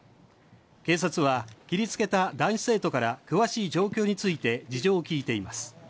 警察は切りつけた男子生徒から詳しい状況について事情を聴いています。